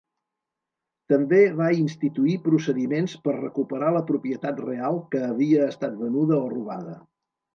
També va instituir procediments per recuperar la propietat real que havia estat venuda o robada.